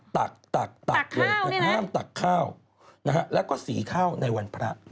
ตักตักตักเลยห้ามตักข้าวแล้วก็สีข้าวในวันพระ